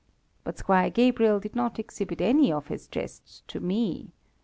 But Squire Gabriel did not exhibit any of his jests to me.